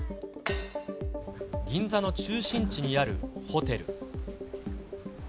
銀座の中心地にあるホテル。